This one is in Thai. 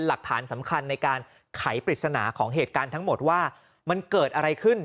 หลักฐานสำคัญในการไขปริศนาของเหตุการณ์ทั้งหมดว่ามันเกิดอะไรขึ้น